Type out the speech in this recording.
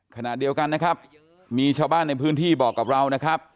ขณะเดียวกันนะครับมีชาวบ้านในพื้นที่บอกกับเรานะครับ